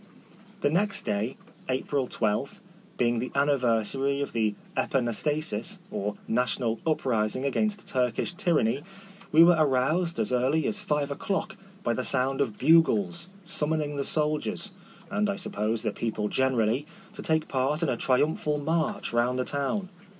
The next day (April 12) being the anniversary of the Epanastasis, or national "uprising" against Turk ish tyranny, we were aroused as early as five o'clock by the sound of bugles, summoning the soldiers, and, I suppose, the people generally, to take part in a triumphal march round the town.